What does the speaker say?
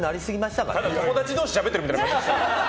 ただ友達同士しゃべってるみたいな。